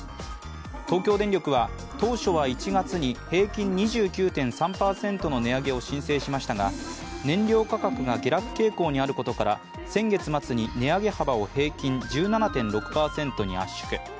東京電力は当初は１月に平均２９．３％の値上げを申請しましたが燃料価格が下落傾向にあることから先月末に値上げ幅を平均１７．６％に圧縮。